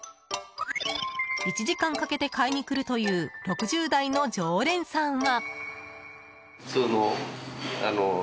１時間かけて買いに来るという６０代の常連さんは。